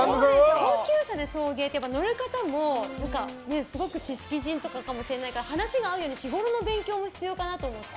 高級車で送迎って乗る方もすごく知識人かもしれないから話が合うように日ごろの勉強も必要かなと思って。